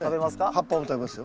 葉っぱも食べますよ。